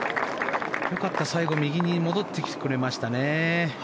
よかった、最後右に戻ってきてくれましたね。